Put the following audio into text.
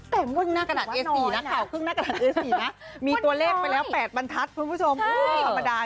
แต่พรึ่งหน้ากระดัษเอส๔น่ะ